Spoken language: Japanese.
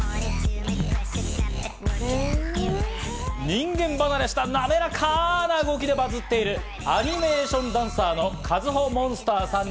人間離れした滑らかな動きでバズっているアニメーションダンサーさんのＫａｚｕｈｏＭｏｎｓｔｅｒさん